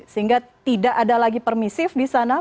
sehingga tidak ada lagi permisif di sana